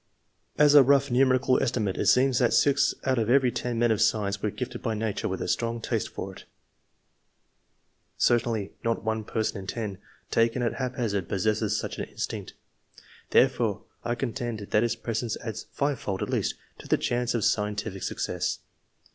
As a rough numerical estimate, it seems that 6 out of every 10 men of science were gifted by nature with a strong taste for it ; certainly not 1 person in 10, taken at haphazard, possesses such an instinct; therefore I contend that its presence adds five fold at least, to the chance of scientific success.